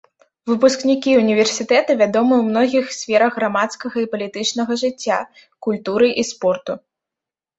Выпускнікі ўніверсітэта вядомыя ў многіх сферах грамадскага і палітычнага жыцця, культуры і спорту.